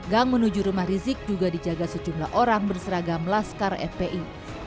gang menuju rumah rizik juga dijaga sejumlah orang berseragam laskar fpi